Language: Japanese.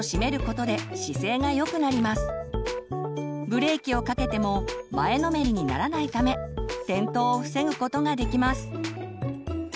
ブレーキをかけても前のめりにならないため転倒を防ぐことができます。